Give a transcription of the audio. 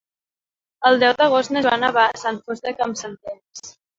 El deu d'agost na Joana va a Sant Fost de Campsentelles.